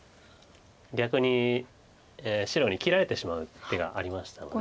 逆に白に切られてしまう手がありましたので。